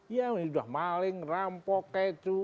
ya udah maling rampok keju